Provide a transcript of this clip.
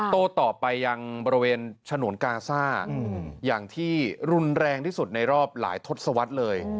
โต้ต่อไปยังบริเวณฉนวนกาซ่าอย่างที่รุนแรงที่สุดในรอบหลายทศวรรษเลย